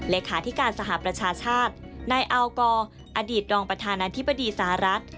เลขาธิการสหประชาชาตินายอัลกออดีตรองประธานาธิบดีสหรัฐ